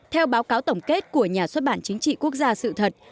theo báo cáo tổng kết của nhà xuất bản chính trị quốc gia sự thật